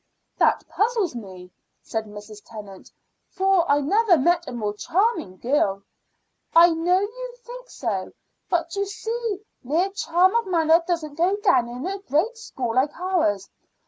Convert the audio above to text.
"That puzzles me," said Mrs. Tennant, "for I never met a more charming girl." "I know you think so; but, you see, mere charm of manner doesn't go down in a great school like ours.